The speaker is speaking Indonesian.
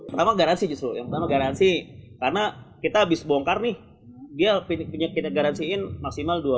pertama garansi justru yang pertama garansi karena kita habis bongkar nih dia punya kita garansiin maksimal dua puluh